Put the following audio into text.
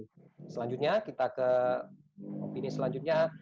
selanjutnya kita ke opini selanjutnya